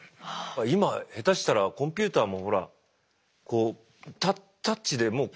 今下手したらコンピューターもほらこうタッチでもう。